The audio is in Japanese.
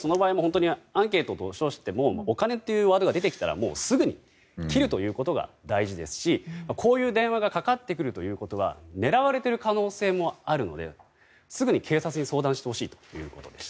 アンケートと称してもお金というワードが出てきたらすぐに切るということが大事ですしこういう電話がかかってくるということは狙われている可能性もあるのですぐに警察に相談してほしいということです。